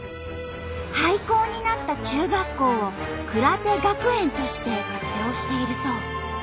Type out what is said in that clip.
廃校になった中学校を「くらて学園」として活用しているそう。